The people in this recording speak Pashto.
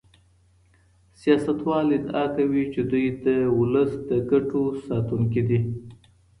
سياستوال ادعا کوي چي دوی د ولس د ګټو ساتونکي دي.